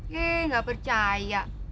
heee ga percaya